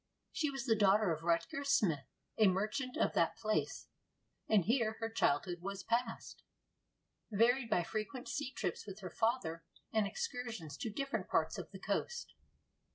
She was the daughter of Rutger Smith, a merchant of that place, and here her childhood was passed, varied by frequent sea trips with her father, and excursions to different parts of the coast.